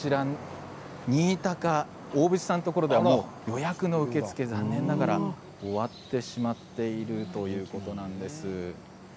新高、大渕さんのところでは予約の受け付けが残念ながら終わってしまっているということなんです。